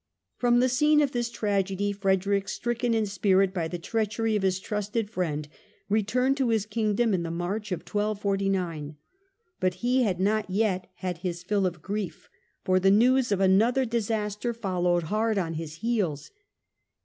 From the scene of this tragedy Frederick, stricken in spirit by the treachery of his trusted friend, returned to his Kingdom in the March of 1 249. But he had not yet had his fill of grief, for the news of another disaster followed hard on his heels.